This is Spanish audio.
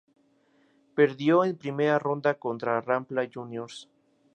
Perdió en primera ronda contra Rampla Juniors.